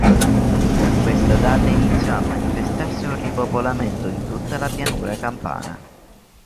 Da questa data iniziò a manifestarsi un ripopolamento di tutta la Pianura Campana.